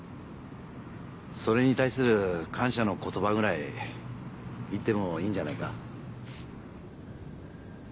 それに対する感謝の言葉ぐらい言ってもいいんじゃないか？